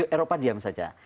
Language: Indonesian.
eropa diam saja